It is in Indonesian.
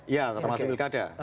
iya termasuk pilkada